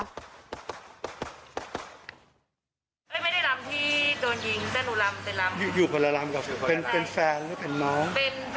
เคยมีเขาบอกเคยมีเรื่องอะไรกับใครบ้าง